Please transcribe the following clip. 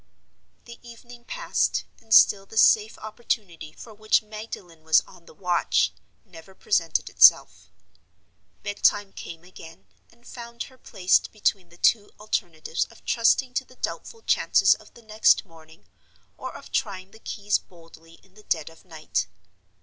The evening passed, and still the safe opportunity for which Magdalen was on the watch never presented itself. Bed time came again, and found her placed between the two alternatives of trusting to the doubtful chances of the next morning, or of trying the keys boldly in the dead of night.